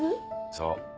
そう。